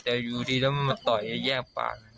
แต่อยู่ดีแล้วมันมาต่อยแล้วย่างปลา